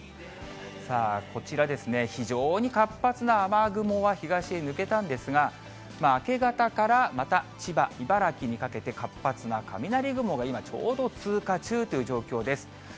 さあこちら、非常に活発な雨雲は東へ抜けたんですが、明け方からまた千葉、茨城にかけて、活発な雷雲が、今、ちょうど通過中という状況です。